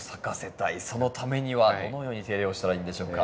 そのためにはどのように手入れをしたらいいんでしょうか？